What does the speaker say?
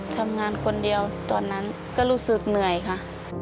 ทำงานคนเดียวตอนนั้นก็รู้สึกเหนื่อยค่ะ